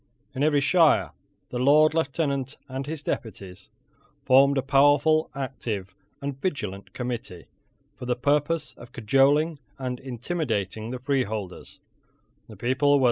In every shire the Lord Lieutenant and his deputies formed a powerful, active, and vigilant committee, for the purpose of cajoling and intimidating the freeholders.